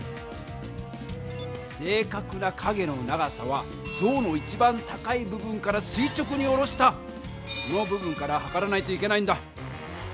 正かくな影の長さはぞうの一番高い部分からすい直に下ろしたこの部分からはからないといけないんだ。